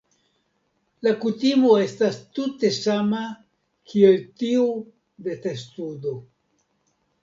La kutimo estas tute sama kiel tiu de testudo.